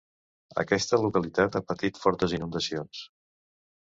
Aquesta localitat ha patit fortes inundacions.